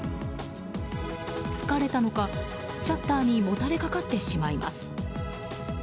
疲れたのか、シャッターにもたれかかってしまいます。